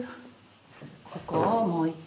ここをもう一回。